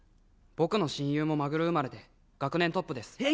僕の親友もマグル生まれで学年トップです